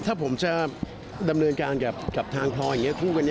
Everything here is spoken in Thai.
ถ้าผมจะดำเนินการกับทางพลอยอย่างนี้คู่กันนี้